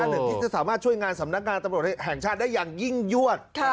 หนึ่งที่จะสามารถช่วยงานสำนักงานตำรวจแห่งชาติได้อย่างยิ่งยวด